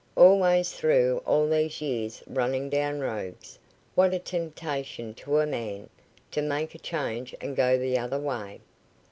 "Always through all these years running down rogues! What a temptation to a man, to make a change and go the other way.